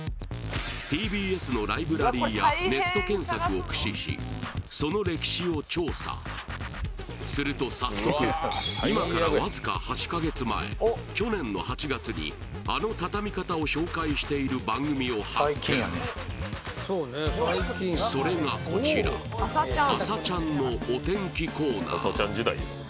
ＴＢＳのライブラリーやネット検索を駆使しその歴史を調査すると早速今からわずか８か月前去年の８月にあのたたみ方を紹介している番組を発見それがこちら「あさチャン！」のお天気コーナー